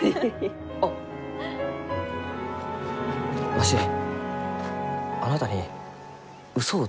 わしあなたに嘘をついてしもうて。